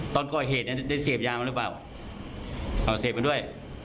ตอนก่อเหตุเนี่ยได้เสียบยามันหรือเปล่าเหรอเสียบมันด้วย